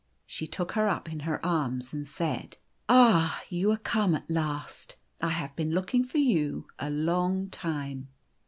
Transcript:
She took her up in her arms, and said, " Ah, you are come at last ! I have been looking for you a long time."